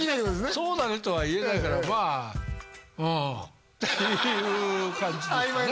「そうだね」とは言えないからていう感じですね